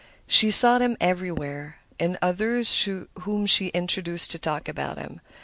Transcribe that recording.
She sought him everywhere—in others whom she induced to talk about him.